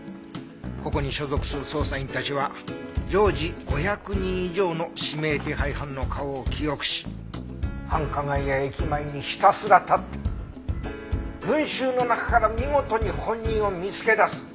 ここに所属する捜査員たちは常時５００人以上の指名手配犯の顔を記憶し繁華街や駅前にひたすら立って群衆の中から見事に本人を見つけ出す。